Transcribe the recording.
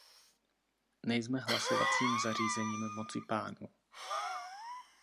Nejsme hlasovacím zařízením mocipánů!